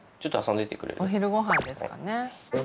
お昼ごはんですかね。